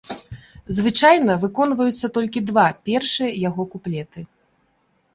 Звычайна выконваюцца толькі два першыя яго куплеты.